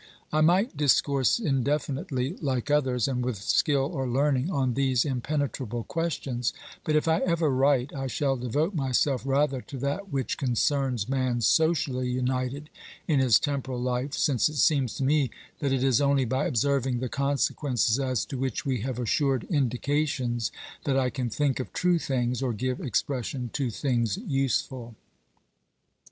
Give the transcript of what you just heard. I might discourse indefinitely, like others, and with skill or learning, on these impenetrable questions, but, if I ever write, I shall devote myself rather to that which concerns man socially united in his temporal life, since it seems to me that it is only by observing the consequences as to which we have assured indications that I can think of true things or give expression to things useful.